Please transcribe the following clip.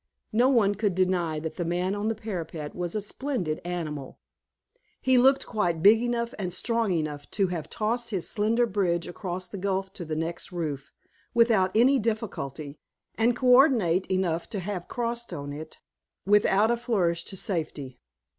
No one could deny that the man on the parapet was a splendid animal; he looked quite big enough and strong enough to have tossed his slender bridge across the gulf to the next roof, without any difficulty, and coordinate enough to have crossed on it with a flourish to safety.